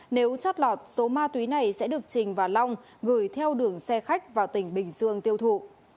nếu chót lọt số ma túy này sẽ được trình và long gửi theo đường xe khách vào tỉnh bình dương tiêu thụ